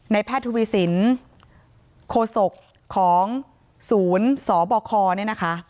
แพทย์ทวีสินโคศกของศูนย์สบคเนี่ยนะคะ